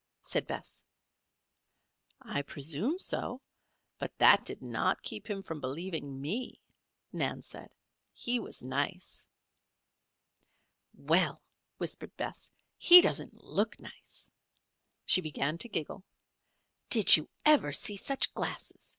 said Bess. "I presume so. But that did not keep him from believing me," Nan said. "He was nice." "Well," whispered Bess. "He doesn't look nice." She began to giggle. "Did you ever see such glasses?